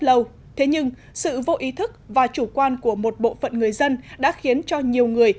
lâu thế nhưng sự vô ý thức và chủ quan của một bộ phận người dân đã khiến cho nhiều người